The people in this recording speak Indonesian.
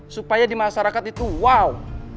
supaya di masyarakat itu wow